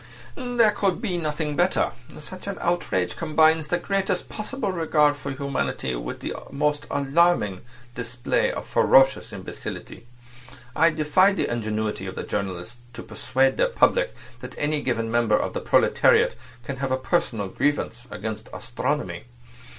"There could be nothing better. Such an outrage combines the greatest possible regard for humanity with the most alarming display of ferocious imbecility. I defy the ingenuity of journalists to persuade their public that any given member of the proletariat can have a personal grievance against astronomy.